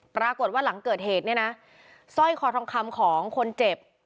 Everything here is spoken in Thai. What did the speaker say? ปรากฏว่าหลังเกิดเหตุเนี่ยนะสร้อยคอทองคำของคนเจ็บ